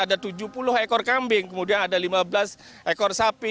ada tujuh puluh ekor kambing kemudian ada lima belas ekor sapi